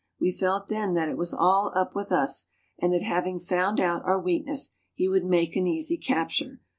We felt then, that it was all up with us, and that having found out our weakness, he would make an easy capture.